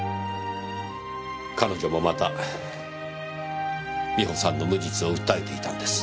彼女もまた美穂さんの無実を訴えていたんです。